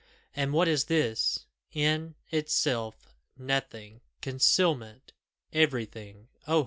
And what is this? in itself, nothing! concealment everything Oh!